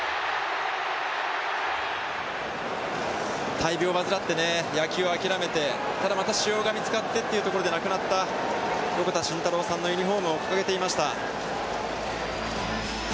大病を患って野球を諦めてそれからまた腫瘍が見つかってというところで亡くなった横田慎太郎さんのユニホームを掲げていました。